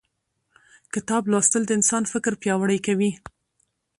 کتاب لوستل د انسان فکر پیاوړی کوي